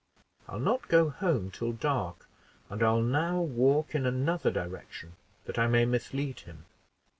I'll not go home till dark; and I'll now walk in another direction, that I may mislead him."